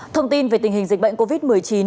thông tin về tình hình dịch bệnh covid một mươi chín